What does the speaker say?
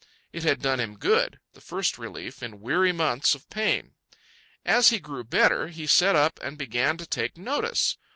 It had done him good—the first relief in weary months of pain. As he grew better, he sat up and began to take notice.